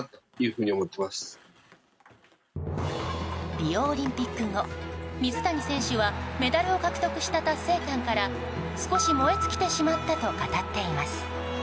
リオオリンピック後水谷選手はメダルを獲得した達成感から少し燃え尽きてしまったと語っています。